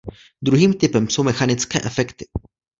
Druhým typem jsou mechanické efekty.